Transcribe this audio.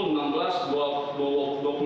yang lebih jauh